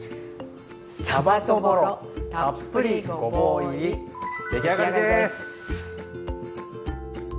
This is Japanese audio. さばそぼろたっぷりごぼう入りできあがりです！